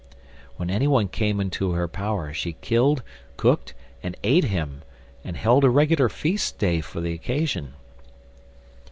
When anyone came into her power she killed, cooked, and ate him, and held a regular feast day for the occasion.